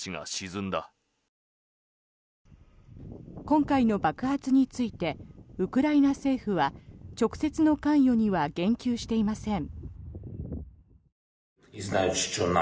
今回の爆発についてウクライナ政府は直接の関与には言及していません。